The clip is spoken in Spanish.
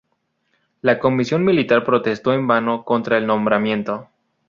La comisión militar protestó en vano contra el nombramiento.